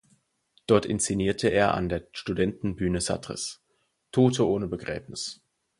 Dort inszenierte er an der Studentenbühne Sartres "Tote ohne Begräbnis".